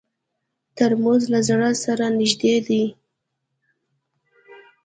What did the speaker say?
ترموز له زړه سره نږدې دی.